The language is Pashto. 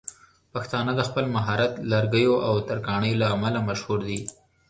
پښتانه د خپل مهارت لرګيو او ترکاڼۍ له امله مشهور دي.